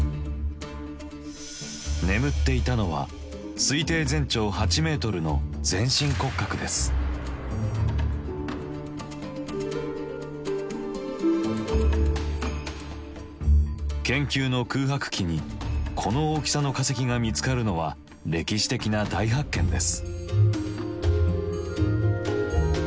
眠っていたのは研究の空白期にこの大きさの化石が見つかるのは歴史的な大発見です。